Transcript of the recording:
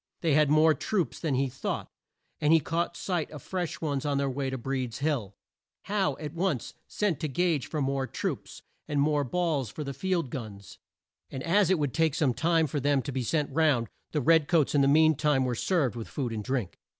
They had more troops than he thought, and he caught sight of fresh ones on their way to Breed's Hill. Howe at once sent to Gage for more troops, and more balls for the field guns, and as it would take some time for them to be sent round, the red coats in the mean time were served with food and drink.